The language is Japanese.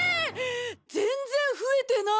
全然増えてない！